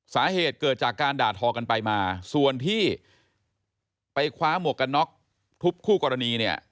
สาเหตุเกิดจากการด่าทอกันไปมาส่วนที่ไปคว้าหมวกกันน็อกทุบคู่กรณีเนี่ย